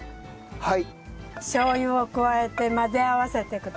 はい。